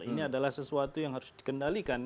ini adalah sesuatu yang harus dikendalikan